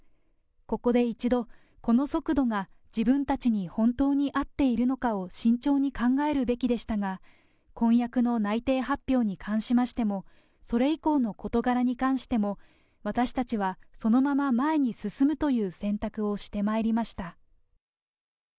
ここで一度、この速度が自分たちに本当に合っているのかを慎重に考えるべきでしたが、婚約の内定発表に関しましても、それ以降の事柄に関しても、私たちはそのまま前に進むという選択をしてまいりました。